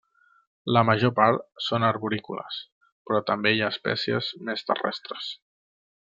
La major part són arborícoles, però també hi ha espècies més terrestres.